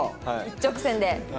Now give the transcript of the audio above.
一直線で。